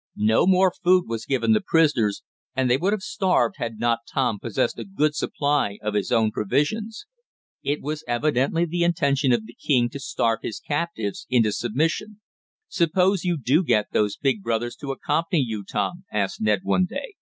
No more food was given the prisoners, and they would have starved had not Tom possessed a good supply of his own provisions. It was evidently the intention of the king to starve his captives into submission. "Suppose you do get those big brothers to accompany you, Tom?" asked Ned one day.